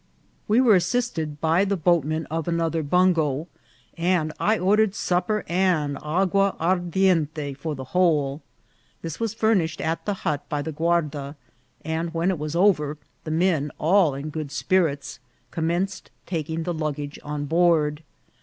We were assisted by the boatmen of another bungo, and I ordered supper and agua ardiente for the whole. This was furnished at the hut by the guarda, and when it was over, the men, all in good spirits, commenced taking the luggage on board.